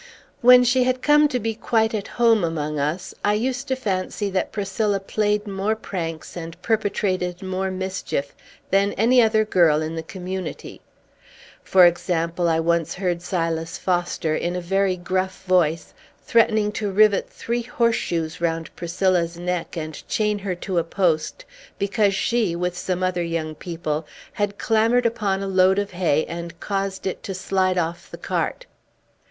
When she had come to be quite at home among us, I used to fancy that Priscilla played more pranks, and perpetrated more mischief, than any other girl in the Community. For example, I once heard Silas Foster, in a very gruff voice, threatening to rivet three horseshoes round Priscilla's neck and chain her to a post, because she, with some other young people, had clambered upon a load of hay, and caused it to slide off the cart.